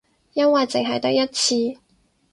因為淨係得一次